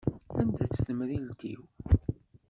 Anda-tt temrilt-iw?